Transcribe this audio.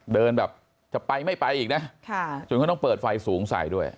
เดินแบบจะไปไม่ไปอีกนะจนเขาต้องเปิดไฟสูงใส่ด้วย